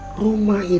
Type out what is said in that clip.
kalau ada apa